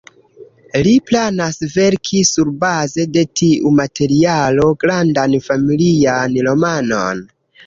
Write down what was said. Li planas verki surbaze de tiu materialo grandan familian romanon.